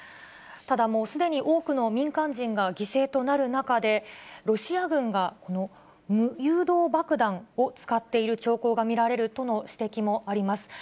ただもう、すでに多くの民間人が犠牲となる中で、ロシア軍がこの無誘導爆弾を使っている兆候が見られるとの指摘もあります。